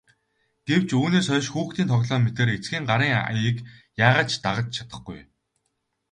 Гэвч үүнээс хойш хүүхдийн тоглоом мэтээр эцгийн гарын аяыг яагаад ч дагаж чадахгүй.